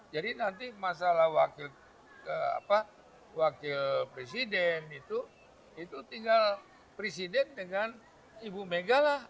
jadi nanti masalah wakil presiden itu tinggal presiden dengan ibu mega lah